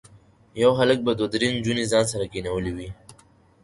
یو هلک به دوه درې نجونې ځان سره کېنولي وي.